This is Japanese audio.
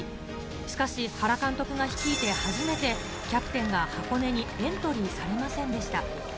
しかし原監督が率いて初めて、キャプテンが箱根にエントリーされませんでした。